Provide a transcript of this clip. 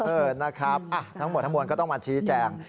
เออนะครับทั้งหมดทั้งมวลก็ต้องมาชี้แจง